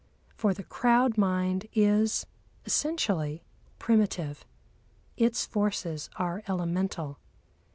For the crowd mind is essentially primitive; its forces are elemental.